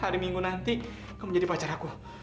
hari minggu nanti kamu jadi pacar aku